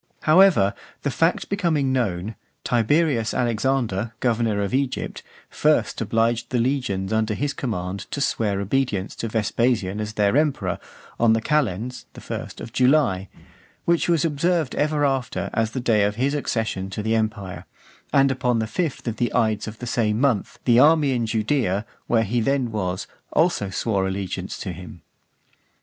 However, the fact becoming known, Tiberius Alexander, governor of Egypt, first obliged the legions under his command to swear obedience to Vespasian as their emperor, on the calends [the 1st] of July, which was observed ever after as the day of his accession to the empire; and upon the fifth of the ides of the same month [the 28th July], the army in Judaea, where he then was, also swore allegiance to him.